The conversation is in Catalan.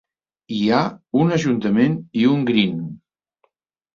Hi ha un ajuntament i un green.